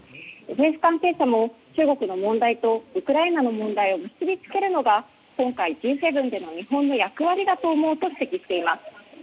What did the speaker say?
政府関係者も中国の問題とウクライナの問題を結びつけるのが今回Ｇ７での日本の役割だと思うと指摘しています。